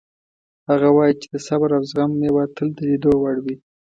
هغه وایي چې د صبر او زغم میوه تل د لیدو وړ وي